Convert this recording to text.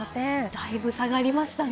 だいぶ下がりましたね。